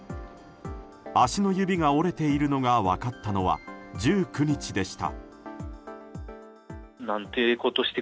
足の指が折れているのが分かったのは１９日でした。